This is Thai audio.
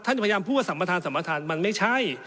ท่านพยายามพูดว่าสัมปทานสัมปทานมันไม่ใช่